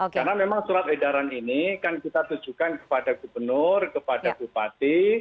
karena memang surat edaran ini kan kita tujukan kepada gubernur kepada bupati